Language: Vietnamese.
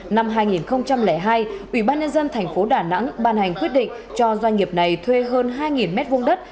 năm hai nghìn hai ủy ban nhân dân thành phố đà nẵng ban hành quyết định cho doanh nghiệp này thuê hơn hai m hai đất